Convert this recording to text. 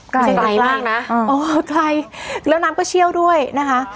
ไม่ใช่ไกลมากนะอ๋อไกลแล้วน้ำก็เชี่ยวด้วยนะคะ